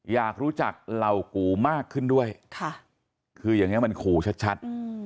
อยากรู้จักเหล่ากูมากขึ้นด้วยค่ะคืออย่างนี้มันขู่ชัด